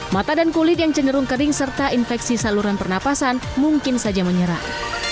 mata dan kulit yang cenderung kering serta infeksi saluran pernafasan mungkin saja menyerang